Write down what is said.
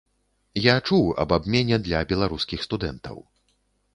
Я чуў аб абмене для беларускіх студэнтаў.